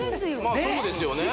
そこですよね